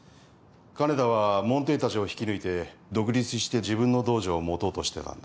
金田は門弟たちを引き抜いて独立して自分の道場を持とうとしてたんだ。